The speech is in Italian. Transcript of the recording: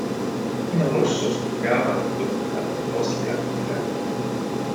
Vino rosso sgorgava da due fontane poste all'esterno.